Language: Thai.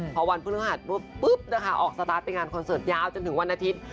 พอวันพฤหัสปุ๊บนะคะออกสตาร์ทไปงานคอนเสิร์ตยาวจนถึงวันอาทิตย์